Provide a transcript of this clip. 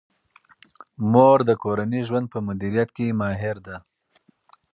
مور د کورني ژوند په مدیریت کې ماهر ده.